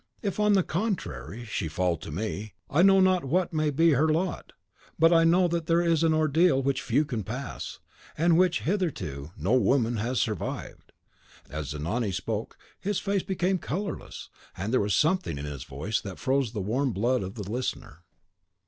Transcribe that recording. If, on the contrary, she fall to me, I know not what may be her lot; but I know that there is an ordeal which few can pass, and which hitherto no woman has survived." As Zanoni spoke, his face became colourless, and there was something in his voice that froze the warm blood of the listener.